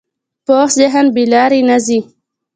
پوخ ذهن بې لارې نه ځي